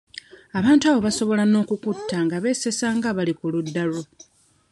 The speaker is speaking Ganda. Abantu abo basobola n'okukutta nga beesesa nga abali ku ludda lwo.